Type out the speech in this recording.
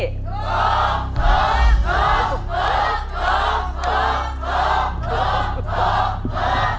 ทบ